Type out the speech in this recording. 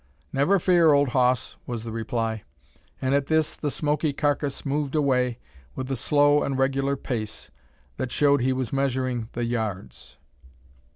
"Never fear, old hoss!" was the reply; and at this, the smoky carcase moved away with a slow and regular pace, that showed he was measuring the yards.